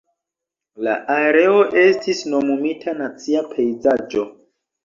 La areo estis nomumita Nacia Pejzaĝo.